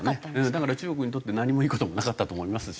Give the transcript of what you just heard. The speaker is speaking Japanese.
だから中国にとって何もいい事もなかったと思いますし。